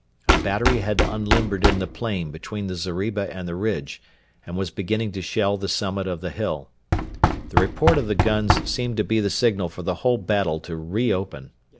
A battery had unlimbered in the plain between the zeriba and the ridge, and was beginning to shell the summit of the hill. The report of the guns seemed to be the signal for the whole battle to reopen.